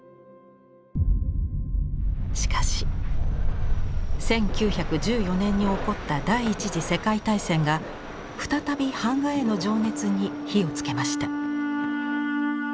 しかし１９１４年に起こった第一次世界大戦が再び版画への情熱に火をつけました。